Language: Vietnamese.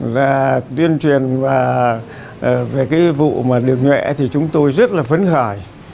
là tuyên truyền về cái vụ mà đường nghệ thì chúng tôi rất là phấn khởi